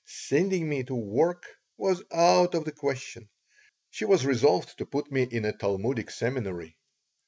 Sending me to work was out of the question. She was resolved to put me in a Talmudic seminary.